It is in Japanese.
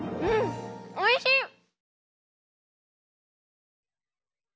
うんおいしい！